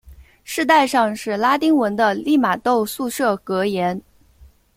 饰带上是拉丁文的利玛窦宿舍格言。